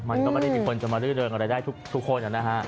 มันก็ไม่ได้มีคนจะมารื้อเริงอะไรได้ทุกคนนะฮะ